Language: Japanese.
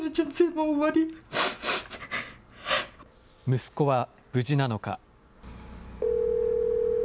息子は無事なのか。